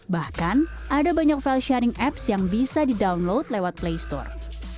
bahkan ada banyak file sharing apps yang bisa di download lewat play store